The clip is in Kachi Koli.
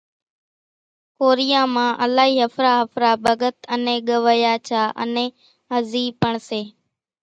ڪوريان مان الائِي ۿڦرا ۿڦرا ڀڳت انين ڳوَيا ڇا انين هزِي پڻ سي۔